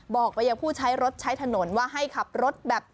บอกไปยังผู้ใช้รถใช้ถนนว่าให้ขับรถแบบ